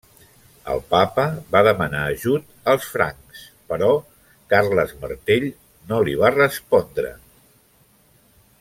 El Papa va demanar ajut als francs, però Carles Martell no li va respondre.